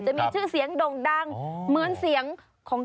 จะมีชื่อเสียงด่งดังเหมือนเสียงของ